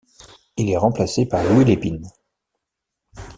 Il est remplacé par Louis Lépine.